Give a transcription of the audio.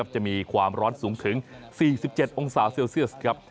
จะมีความร้อนสูงถึง๔๗องศาเซลเซียสครับ